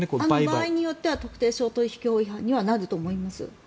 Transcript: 場合によっては特定商取引法違反になると思います。